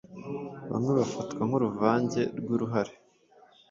bamwe bafatwa nkuruvange rwuruhare